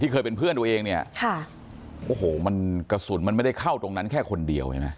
เคยเป็นเพื่อนตัวเองเนี่ยค่ะโอ้โหมันกระสุนมันไม่ได้เข้าตรงนั้นแค่คนเดียวเห็นไหม